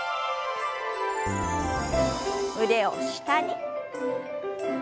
腕を下に。